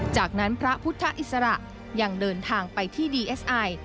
จากนั้นพระพุทธอิสระยังเดินทางไปที่ดีเอสไอ